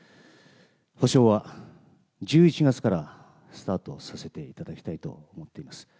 補償は１１月からスタートさせていただきたいと思っています。